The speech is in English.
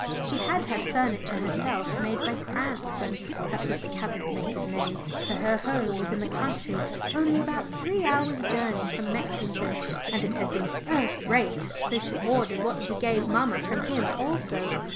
She had had furniture herself made by Cranston that was the cabinet maker's name for her home was in the country only about three hours' journey from Mexington and it had been first rate, so she ordered what she gave mamma from him also.